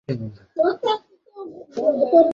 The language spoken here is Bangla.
কিছুতেই টাকার জোগাড় আর হয় না।